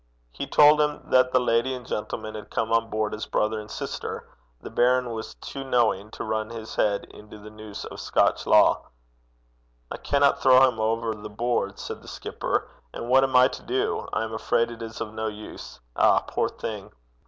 He told him that the lady and gentleman had come on board as brother and sister: the baron was too knowing to run his head into the noose of Scotch law. 'I cannot throw him over the board,' said the skipper; 'and what am I to do? I am afraid it is of no use. Ah! poor thing!'